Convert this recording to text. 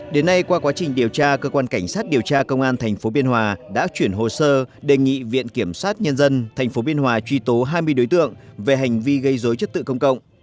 đến nay qua quá trình điều tra cơ quan cảnh sát điều tra công an thành phố biên hòa đã chuyển hồ sơ đề nghị viện kiểm soát nhân dân thành phố biên hòa truy tố hai mươi đối tượng về hành vi gây dối trật tự công cộng